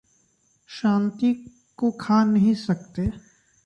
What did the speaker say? शांति को खा नहीं सकते।